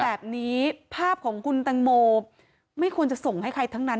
แบบนี้ภาพของคุณตังโมไม่ควรจะส่งให้ใครทั้งนั้น